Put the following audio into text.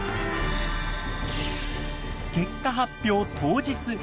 結果発表当日。